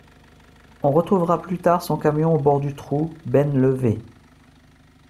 On retrouvera plus tard son camion au bord du trou, benne levée.